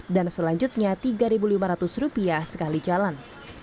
dan selanjutnya rp tiga lima ratus sekali jalan